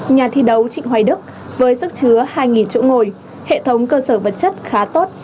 nhà thi đấu trịnh hoài đức với sức chứa hai chỗ ngồi hệ thống cơ sở vật chất khá tốt